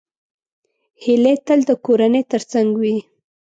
هیلۍ تل د کورنۍ تر څنګ وي